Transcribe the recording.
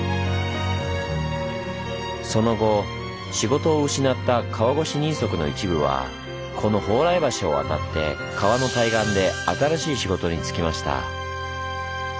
その後仕事を失った川越人足の一部はこの蓬莱橋を渡って川の対岸で新しい仕事につきました。